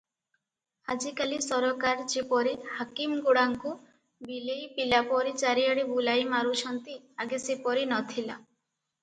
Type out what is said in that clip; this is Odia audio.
ଆଜିକାଲି ସରକାର ଯେପରି ହାକିମଗୁଡ଼ାଙ୍କୁ ବିଲେଇ ପିଲାପରି ଚାରିଆଡେ ବୁଲାଇ ମାରୁଛନ୍ତି, ଆଗେ ସେପରି ନ ଥିଲା ।